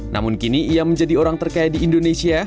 namun kini ia menjadi orang terkaya di indonesia